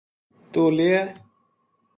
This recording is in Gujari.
توہ لیے